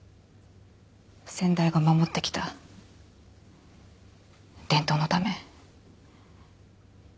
先代が守ってきた伝統のため。